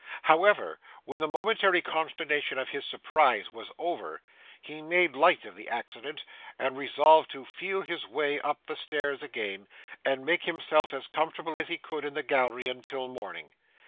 However, when the momentary consternation of his surprise was over, he made light of the accident, and resolved to feel his way up the stairs again, and make himself as comfortable as he could in the gallery until morning.